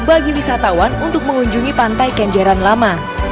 bagi wisatawan untuk mengunjungi pantai kenjeran lama